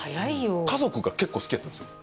家族が結構好きやったんですよ